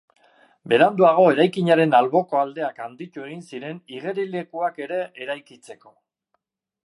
Beranduago, eraikinaren alboko aldeak handitu egin ziren igerilekuak ere eraikitzeko.